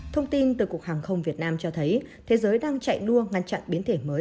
thông tin từ cục hàng không việt nam cho thấy thế giới đang chạy đua ngăn chặn biến thể mới